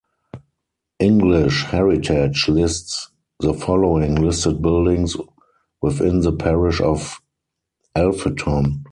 English Heritage lists the following listed buildings within the parish of Alpheton.